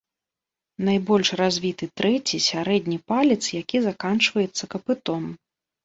Найбольш развіты трэці, сярэдні, палец, які заканчваецца капытом.